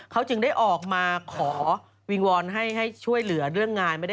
เขาจึงได้ออกมาขอวิงวอนให้ช่วยเหลือเรื่องงาน